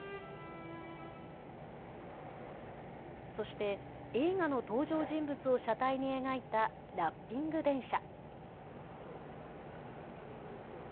そして映画の登場人物を車体に描いたラッピング電車。